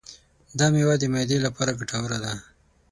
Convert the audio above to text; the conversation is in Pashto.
دا مېوه د معدې لپاره ګټوره ده.